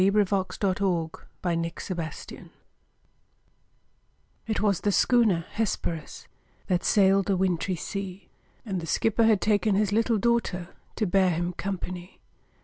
SCOTT. THE WRECK OF THE HESPERUS It was the schooner Hesperus, That sailed the wintry sea; And the skipper had taken his little daughter, To bear him company.